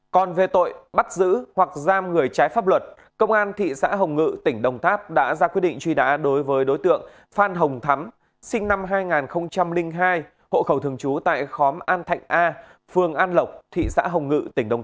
còn về tội bắt giữ hoặc giam người trái pháp luật công an thị xã hồng ngự tỉnh đồng tháp đã ra quyết định truy nã đối với đối tượng phan hồng thắm sinh năm hai nghìn hai hộ khẩu thường trú tại khóm an thạnh a phường an lộc thị xã hồng ngự tỉnh đồng tháp